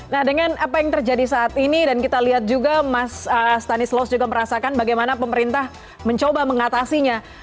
nah dengan apa yang terjadi saat ini dan kita lihat juga mas stanis los juga merasakan bagaimana pemerintah mencoba mengatasinya